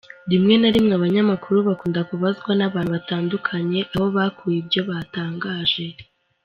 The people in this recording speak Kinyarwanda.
Rimwe na rimwe abanyamakuru bakunda kubazwa n’abantu batandukanye aho bakuye ibyo batangaje.